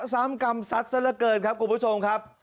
มันเค้าะซ้ำกรรมซัสซะเหลือเกินครับคุณผู้ชมครับ